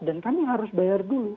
dan kami harus bayar dulu